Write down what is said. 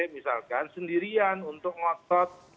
misalkan sendirian untuk ngotot